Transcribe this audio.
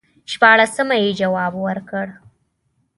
شپاړسمه یې جواب ورکړ.